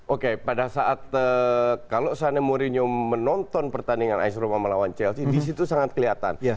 oke pada saat kalau sanem mourinho menonton pertandingan aistruma melawan chelsea disitu sangat kelihatan